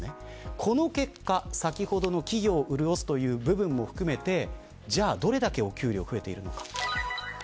この結果、先ほどの企業を潤すという部分も含めてじゃあ、どれだけお給料が増えているのか。